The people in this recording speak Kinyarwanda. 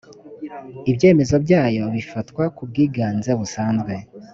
ibyemezo byayo bifatwa ku bwiganze busanzwe